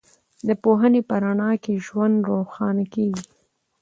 د پوهنې په رڼا کې ژوند روښانه کېږي.